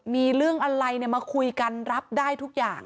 มีเรื่องอะไรมาคุยกันรับได้ทุกอย่าง